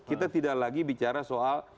kita tidak lagi bicara soal